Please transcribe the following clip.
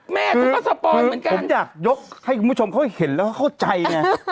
ไม่ใช่คือผมอยากยกให้มุชมเขาเห็นแล้วเข้าใจไงนรก